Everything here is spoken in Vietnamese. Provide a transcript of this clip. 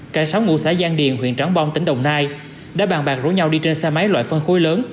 cả sáu ngụ xã giang điền huyện trảng bom tỉnh đồng nai đã bàn bạc rủ nhau đi trên xe máy loại phân khối lớn